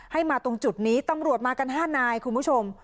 มาตรงจุดนี้ตำรวจมากัน๕นายคุณผู้ชม